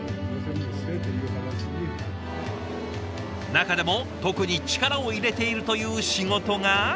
中でも特に力を入れているという仕事が。